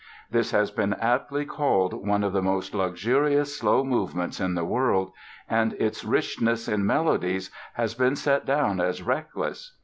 This has been aptly called one of the most luxurious slow movements in the world, and its richness in melodies has been set down as "reckless."